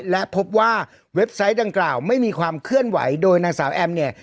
และพบว่าเว็บไซต์ดังกล่าวไม่มีความเคลื่อนไหวโดยนางสาวแอมเนี่ย